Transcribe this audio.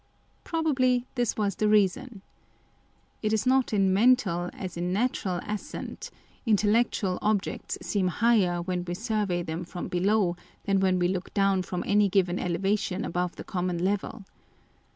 Probably this was the reason. It is not in mental as in natural ascent â€" intellectual objects seem higher when we survey them from below, than when we look down from any given elevation above the common level.